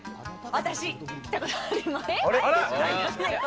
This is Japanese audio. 私、来たことあります。